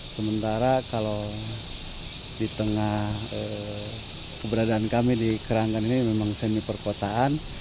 sementara kalau di tengah keberadaan kami di keranggan ini memang seni perkotaan